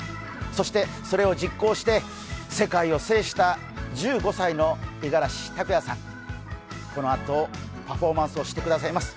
そして、それを実行して世界を制した１５歳の五十嵐拓哉さん、このあとパフォーマンスをしてくださいます。